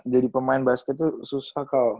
jadi pemain basket tuh susah kok